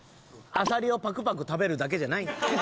あさりをパクパク食べるだけじゃない。